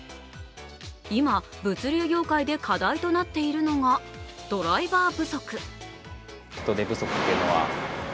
今、物流業界で課題となっているのがドライバー不足。